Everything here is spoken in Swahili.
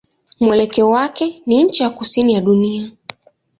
Mwelekeo wake ni ncha ya kusini ya dunia.